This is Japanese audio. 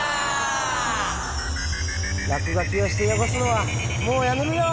らくがきをしてよごすのはもうやめるよ。